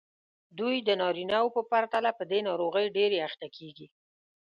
دوی د نارینه وو په پرتله په دې ناروغۍ ډېرې اخته کېږي.